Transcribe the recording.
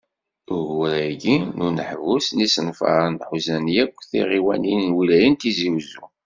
Uguren-agi n uneḥbus n yisenfaren, ḥuzan yakk tiɣiwanin n lwilaya n Tizi Uzzu.